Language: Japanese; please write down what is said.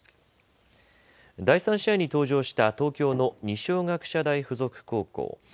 第３試合に登場した東京の二松学舎大付属高校。